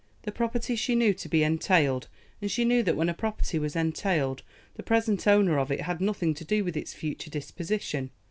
The property she knew to be entailed, and she knew that when a property was entailed the present owner of it had nothing to do with its future disposition.